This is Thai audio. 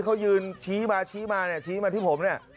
ข้อยืนชี้มาชี้มาชี้มาที่ผมเนี่ย